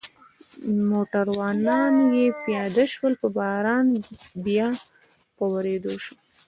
موټروانان یې پیاده شول، باران بیا په ورېدو شو.